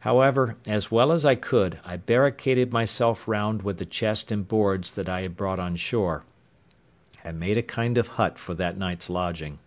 However, as well as I could, I barricaded myself round with the chest and boards that I had brought on shore, and made a kind of hut for that night's lodging.